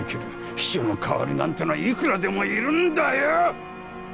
秘書の代わりなんてのはいくらでもいるんだよ！